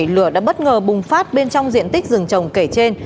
lửa đã bất ngờ bùng phát bên trong diện tích rừng trồng kể trên